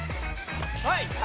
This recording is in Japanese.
はい！